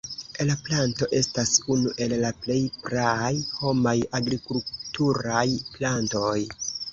La planto estas unu el la plej praaj homaj agrikulturaj plantoj.